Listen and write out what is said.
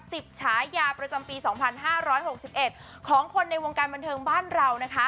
กับ๑๐ฉายาประจำปี๒๕๖๑ของคนในวงการบันเทิงบ้านเรา